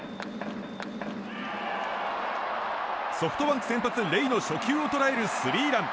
ソフトバンク先発レイの初球を捉えるスリーラン。